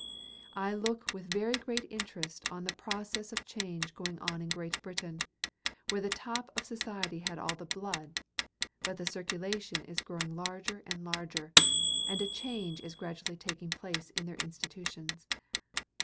I look with very great interest on the process of change going on in Great Britain, where the top of society had all the "blood," but the circulation is growing larger and larger, and a change is gradually taking place in their institutions.